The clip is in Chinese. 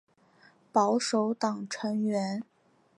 保守党成员。